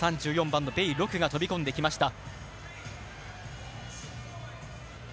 ３４番の米勒が飛び込んできました。